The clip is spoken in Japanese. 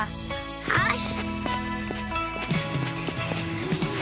よし。